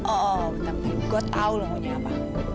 oh tapi gue tau lo maunya apa